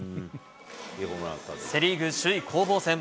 セ・リーグ首位攻防戦。